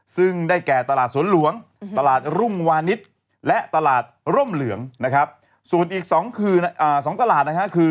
ซึ่งได้แก่ตลาดสวนหลวงตลาดรุ่งวานิสและตลาดร่มเหลืองนะครับส่วนอีก๒คือ๒ตลาดนะฮะคือ